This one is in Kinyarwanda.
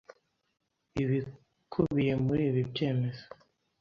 Ibikubiye muri ibi byemezo